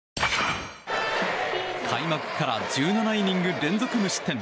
開幕から１７イニング連続無失点。